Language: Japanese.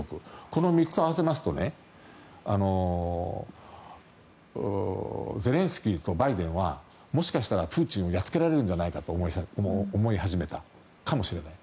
この３つを合わせますとゼレンスキーとバイデンはもしかしたらプーチンをやっつけられるんじゃないかと思い始めたかもしれない。